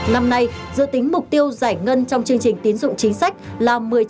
năm nay dự tính mục tiêu giải ngân trong chương trình tiến dụng chính sách là một mươi chín tỷ đồng